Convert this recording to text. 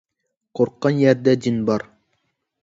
قورققان يەردە جىن بار.